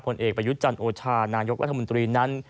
ผลเอกประยุทธ์จันทร์โอชานายกรัฐมนตรีนั้น